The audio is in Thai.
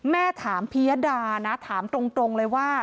แม่ถามพิยดานะถามตรงเลยว่า